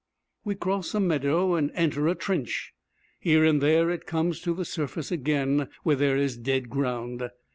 We cross a meadow and enter a trench. Here and there it comes to the surface again where there is dead ground.